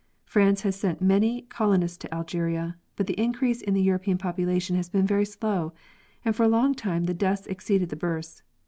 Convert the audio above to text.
France has sent many colonists to Algeria, but the increase in the Kuropean population has been very slow, and for a long time the deaths exceeded the births.